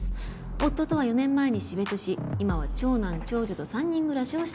「夫とは４年前に死別し今は長男・長女と三人暮らしをしております」